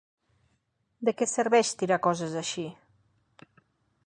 De què serveix tirar coses així?